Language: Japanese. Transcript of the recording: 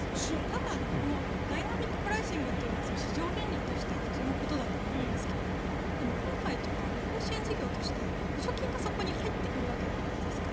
ただダイナミック・プライシングは市場原理としては普通のことだと思いますがでも今回は旅行支援事業として補助金がそこに入っているわけじゃないですか。